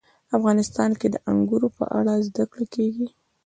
افغانستان کې د انګور په اړه زده کړه کېږي.